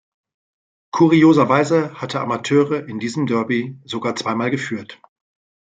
Kurioserweise hatte Amateure in diesem Derby sogar zweimal geführt.